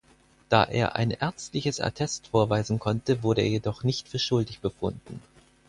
Da er ein ärztliches Attest vorweisen konnte, wurde er jedoch nicht für schuldig befunden.